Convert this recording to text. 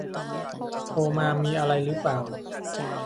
โทรมามีอะไรหรือเปล่า